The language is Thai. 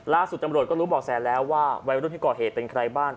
ตำรวจก็รู้บอกแสแล้วว่าวัยรุ่นที่ก่อเหตุเป็นใครบ้าง